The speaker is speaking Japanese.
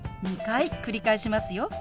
２回繰り返しますよ。